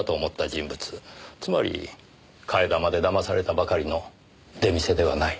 つまり替え玉でだまされたばかりの出店ではない。